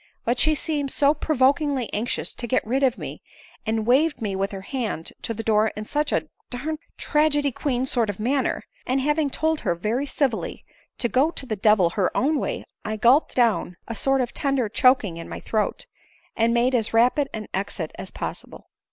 But she seemed so provokingly anxious to get rid of me, and waved me with her hand to the door in such a d d tragedy queen sort of a manner, that having told her very civilly to go to the devil her own way, I gulped down a sort of a tender choking in my throat, and made as rapid an exit as possible.